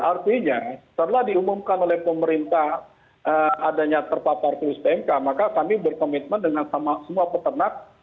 artinya setelah diumumkan oleh pemerintah adanya terpapar virus pmk maka kami berkomitmen dengan semua peternak